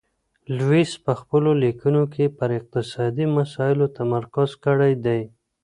لویس په خپلو لیکنو کي پر اقتصادي مسایلو تمرکز کړی دی.